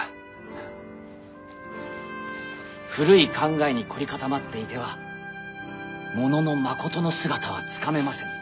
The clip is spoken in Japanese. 古い考えに凝り固まっていてはものの真の姿はつかめませぬ。